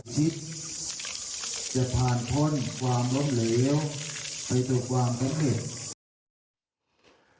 คิดจะผ่านพลความล้มเหลวไปจุดกวางกันเห็น